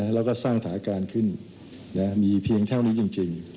แล้วก็สร้างถาการขึ้นมีเพียงเท่านี้จริง